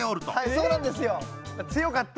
そうなんですよ。